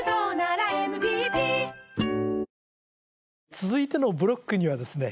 続いてのブロックにはですね